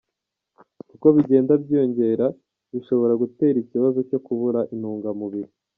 Uko bigenda byiyongera bishobora gutera ikibazo cyo kubura intungamubiri.